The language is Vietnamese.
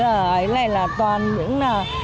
đấy này là toàn những